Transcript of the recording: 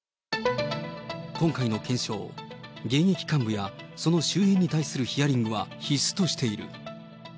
今回の検証、現役幹部やその周辺に対するヒアリングは必須としている。